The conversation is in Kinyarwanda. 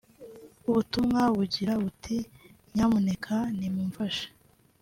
ubutumwa bugira buti “ Nyamuneka nimumfashe